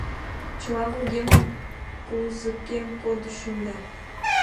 Чыла вургемем, кузыкем кодышым да